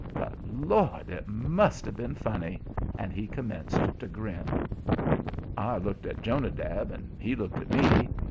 But, Lord! it must have been funny," and he commenced to grin. I looked at Jonadab, and he looked at me.